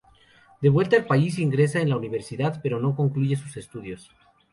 De vuelta al país, ingresa en la Universidad, pero no concluye sus estudios.